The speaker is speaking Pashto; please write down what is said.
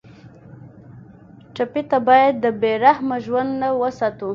ټپي ته باید د بې رحمه ژوند نه وساتو.